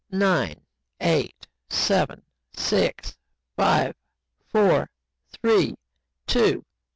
Nine ... eight ... seven ... six ... five ... four ... three ... two